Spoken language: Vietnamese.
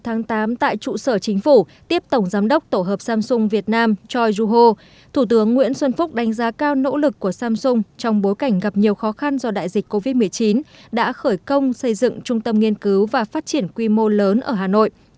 ngày tám tháng tám tại trụ sở chính phủ tiếp tổng giám đốc tổ hợp samsung việt nam choi joo ho thủ tướng nguyễn xuân phúc đánh giá cao nỗ lực của samsung trong bối cảnh gặp nhiều khó khăn do đại dịch covid một mươi chín đã khởi công xây dựng trung tâm nghiên cứu và phát triển quy mô lớn ở hà nội